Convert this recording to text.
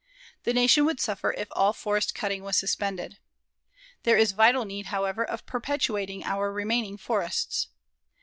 The Nation would suffer if all forest cutting was suspended. There is a vital need, however, of perpetuating our remaining forests.